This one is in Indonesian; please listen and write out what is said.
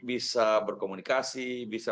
bisa berkomunikasi bisa